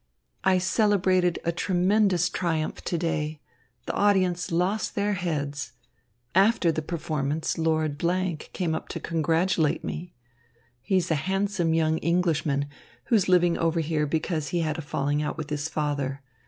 "I celebrated a tremendous triumph to day. The audience lost their heads. After the performance Lord came up to congratulate me. He is a handsome young Englishman, who is living over here because he had a falling out with his father.